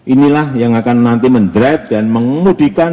inilah yang akan nanti men drive dan mengemudikan